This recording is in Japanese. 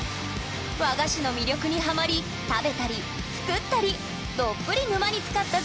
和菓子の魅力にハマり食べたり作ったりどっぷり沼につかった１０代が登場！